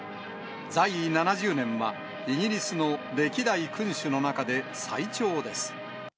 在位７０年は、イギリスの歴代君主の中で最長です。